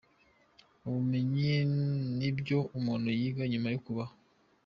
Ubumenyi ni ibyo umuntu yiga nyuma yo kubaho.